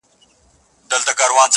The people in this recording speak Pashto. پر لکړه رېږدېدلی-